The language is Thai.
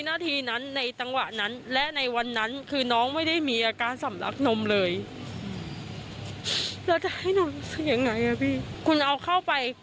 หนูเจ็บตั้งแต่โรคหนูช็อกแล้วพี่